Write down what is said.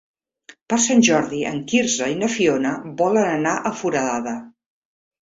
Per Sant Jordi en Quirze i na Fiona volen anar a Foradada.